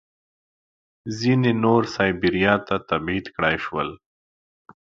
ځینې نور سایبیریا ته تبعید کړای شول